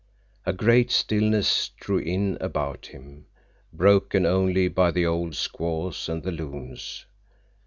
A great stillness drew in about him, broken only by the old squaws and the loons.